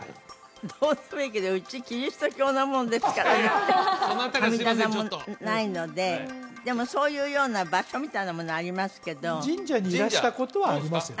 どうでもいいけどうちキリスト教なもんですから神棚もないのででもそういうような場所みたいなものありますけど神社にいらしたことはありますよね